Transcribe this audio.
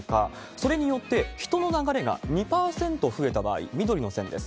それによって人の流れが２％増えた場合、緑の線です。